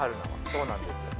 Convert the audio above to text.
そうなんですよ。